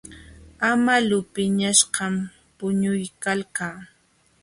Amalu piñaśhqam puñuykalqa.